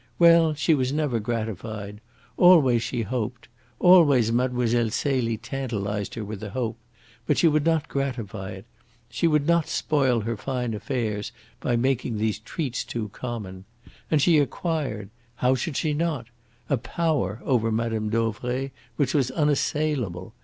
Well, she was never gratified. Always she hoped. Always Mlle. Celie tantalised her with the hope. But she would not gratify it. She would not spoil her fine affairs by making these treats too common. And she acquired how should she not? a power over Mme. Dauvray which was unassailable.